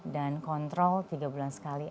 dan kontrol tiga bulan sekali